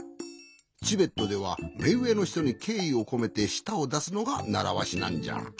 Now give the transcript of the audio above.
チベットではめうえのひとにけいいをこめてしたをだすのがならわしなんじゃ。